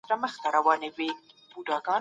که تمرین سوی وي نو مهارت زیاتیږي.